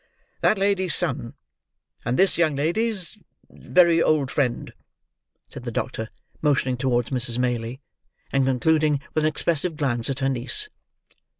"That lady's son, and this young lady's—very old friend," said the doctor, motioning towards Mrs. Maylie, and concluding with an expressive glance at her niece.